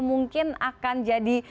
mungkin akan jadi